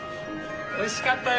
おいしかったよ。